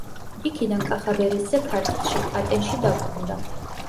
იქიდან კახაბერისძე ქართლში, ატენში დაბრუნდა.